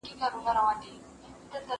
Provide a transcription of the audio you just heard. ټولنیز حالت د اقتصادي ستونزو اغېز نه پټوي.